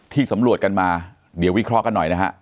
สำรวจกันมาเดี๋ยววิเคราะห์กันหน่อยนะฮะ